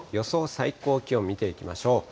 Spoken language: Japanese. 最高気温、見ていきましょう。